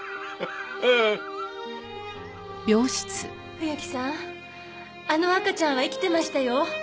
冬木さんあの赤ちゃんは生きてましたよ。